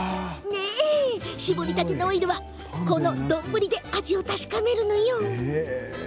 搾りたてのオイルはこの丼で味を確かめるのよ。